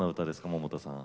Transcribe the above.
百田さん。